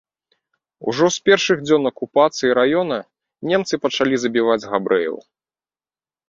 Ужо з першых дзён акупацыі раёна немцы пачалі забіваць габрэяў.